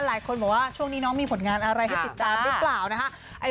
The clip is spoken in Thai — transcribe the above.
หลายคนบอกว่าช่วงนี้น้องมีผลงานอะไรให้ติดตามหรือเปล่านะคะ